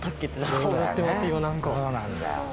そうなんだよ。